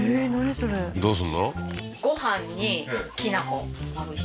それどうすんの？